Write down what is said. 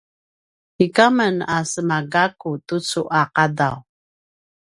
inika men a sema gakku tucu a qadaw